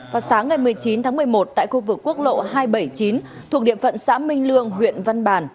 vào sáng ngày một mươi chín tháng một mươi một tại khu vực quốc lộ hai trăm bảy mươi chín thuộc địa phận xã minh lương huyện văn bản